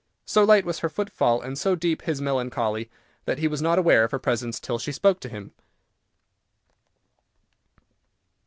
So light was her footfall, and so deep his melancholy, that he was not aware of her presence till she spoke to him.